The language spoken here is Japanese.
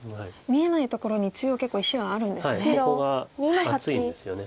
見えないところに中央結構石はあるんですね。